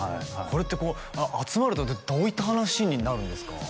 これってこう集まるとどういった話になるんですか？